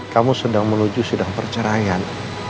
kamu sedang menuju sidang perceraian